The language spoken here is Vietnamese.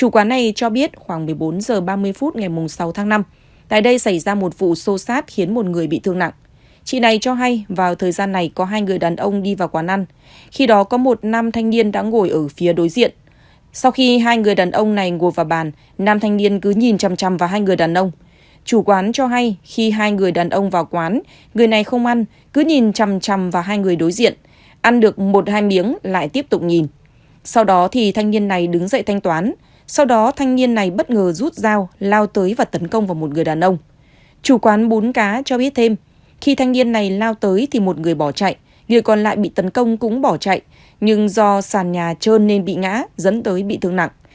khi thanh niên này lao tới thì một người bỏ chạy người còn lại bị tấn công cũng bỏ chạy nhưng do sàn nhà trơn nên bị ngã dẫn tới bị thương nặng